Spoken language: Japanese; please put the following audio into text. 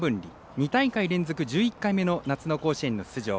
２大会連続１１回目の夏の甲子園の出場。